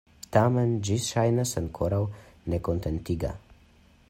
Tamen, ĝi ŝajnas ankoraŭ nekontentiga.